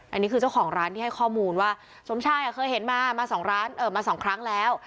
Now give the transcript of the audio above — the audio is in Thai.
อันนี้คือเจ้าของร้านที่ให้ข้อมูลว่าสมชายเคยเห็นมามา๒ร้านมาสองครั้งแล้ว